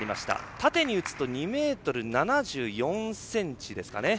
縦に打つと２ｍ７４ｃｍですかね。